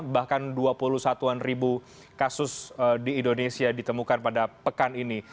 bahkan dua puluh satuan ribu kasus di indonesia ditemukan pada pekan ini